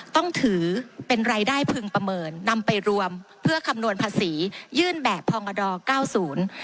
ต้องถือเป็นรายได้พึงประเมินนำไปรวมเพื่อคำนวณภาษียื่นแบบพองดอร์เก้าศูนย์